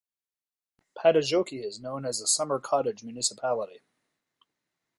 Padasjoki is known as a summer cottage municipality.